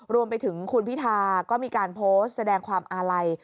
รวมไปถึงคุณพิธาก็มีการโพสต์แสดงความอาลัย